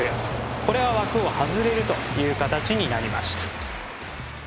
これは枠を外れるという形になりました。